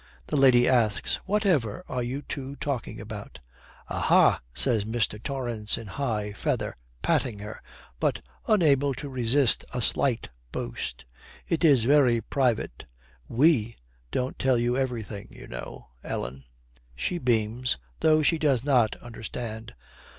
The lady asks, 'Whatever are you two talking about?' 'Aha,' says Mr. Torrance in high feather, patting her, but unable to resist a slight boast, 'it is very private. We don't tell you everything, you know, Ellen.' She beams, though she does not understand.